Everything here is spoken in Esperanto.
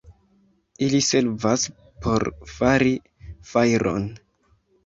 Ili servas por fari fajron.